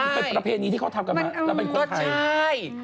เป็นประเภทนี้ที่เขาทำกันมาแล้วเป็นคนไทย